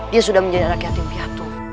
dia sudah menjadi anak yatim piatu